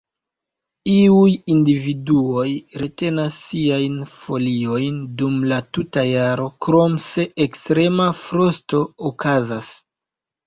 Iuj individuoj retenas siajn foliojn dum la tuta jaro, krom se ekstrema frosto okazas.